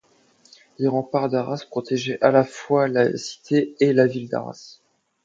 Les remparts d'Arras protégeaient à la fois la cité et la ville d'Arras.